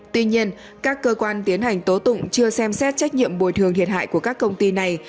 tuy nhiên các cơ quan tiến hành tố tụng chưa xem xét trách nhiệm bồi thường thiệt hại của các công ty này